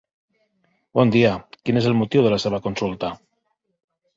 Bon dia, quin és el motiu de la seva consulta?